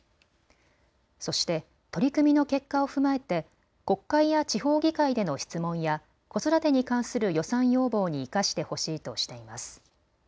そして取り組みの結果を踏まえて国会や地方議会での質問や子育てに関する予算要望に生かしてほしいとしています。